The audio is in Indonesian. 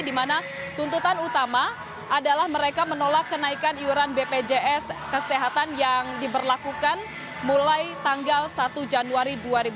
di mana tuntutan utama adalah mereka menolak kenaikan iuran bpjs kesehatan yang diberlakukan mulai tanggal satu januari dua ribu dua puluh